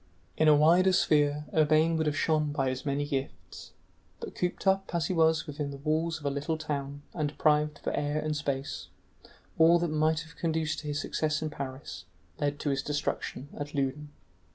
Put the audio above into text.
In a wider sphere Urbain would have shone by his many gifts, but, cooped up as he was within the walls of a little town and deprived of air and space, all that might have conduced to his success in Paris led to his destruction at Loudun.